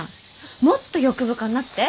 もっと欲深になって！